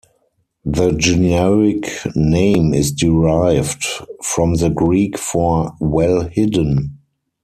The generic name is derived from the Greek for "well hidden".